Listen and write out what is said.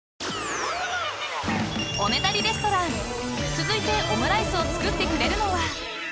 ［続いてオムライスを作ってくれるのは］